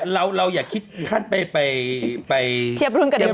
เราอย่าคิดขั้นไปเทียบรุ่นกับเด็ก